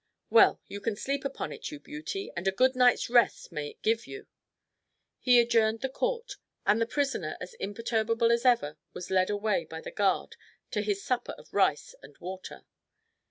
"Well, you can sleep upon it, you beauty, and a good night's rest may it give you!" He adjourned the Court, and the prisoner, as imperturbable as ever, was led away by the guard to his supper of rice and water.